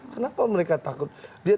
kenapa mereka takut